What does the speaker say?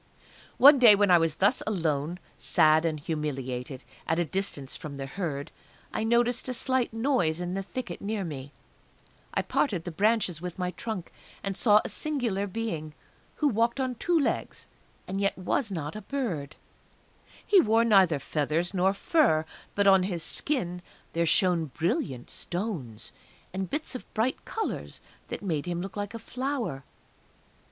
One day when I was thus alone, sad and humiliated, at a distance from the Herd, I noticed a slight noise in the thicket, near me. I parted the branches with my trunk, and saw a singular being, who walked on two legs and yet was not a bird. He wore neither feathers nor fur; but on his skin there shone brilliant stones, and bits of bright colours that made him look like a flower!